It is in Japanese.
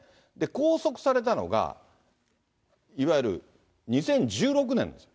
拘束されたのが、いわゆる２０１６年です。